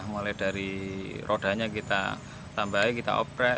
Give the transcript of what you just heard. mulai dari rodanya kita tambahin kita obrek